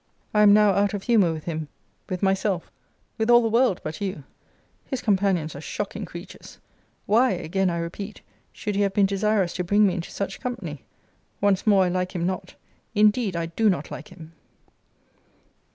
I am now out of humour with him, with myself, with all the world, but you. His companions are shocking creatures. Why, again I repeat, should he have been desirous to bring me into such company? Once more I like him not. Indeed I do not like him!